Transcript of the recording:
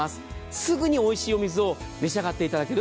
すぐにおいしいお水を召し上がっていただける。